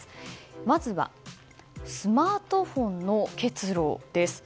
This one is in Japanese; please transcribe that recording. まずは、スマートフォンの結露です。